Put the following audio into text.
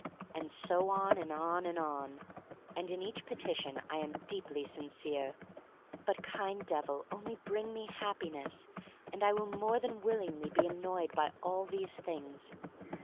And so on and on and on. And in each petition I am deeply sincere. But, kind Devil, only bring me Happi ness and I will more than willingly be annoyed by all these things.